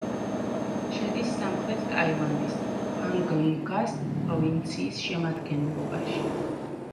შედის სამხრეთ ტაილანდის, ფანგ ნგას პროვინციის შემადგენლობაში.